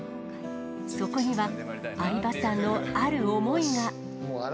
そこには、相葉さんのある想いが。